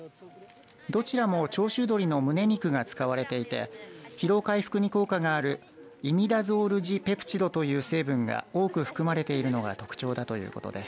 どちらも長州どりの胸肉が使われていて疲労回復に効果があるイミダゾールジペプチドという成分が多く含まれているのが特徴だということです。